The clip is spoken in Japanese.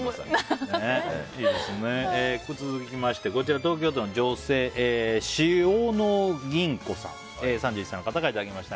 続きまして東京都の女性３１歳の方からいただきました